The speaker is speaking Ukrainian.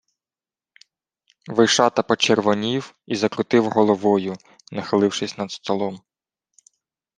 Вишата почервонів і закрутив головою, нахилившись над столом.